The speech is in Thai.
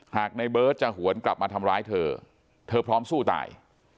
ในเบิร์ตจะหวนกลับมาทำร้ายเธอเธอพร้อมสู้ตาย